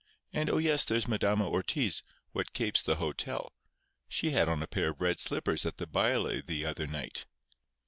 And, oh, yes; there's Madama Ortiz, 'what kapes the hotel'—she had on a pair of red slippers at the baile the other night.